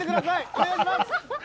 お願いします！